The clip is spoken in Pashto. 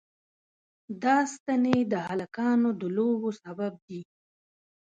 دا ستنې د هلکانو د لوبو سبب دي.